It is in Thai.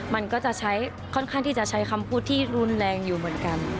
มันก็จะใช้ค่อนข้างที่จะใช้คำพูดที่รุนแรงอยู่เหมือนกัน